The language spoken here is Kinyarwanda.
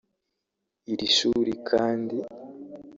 Iri shuri kandi